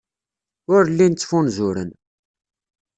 Ur llin ttfunzuren.